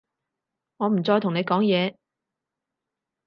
我唔再同你講嘢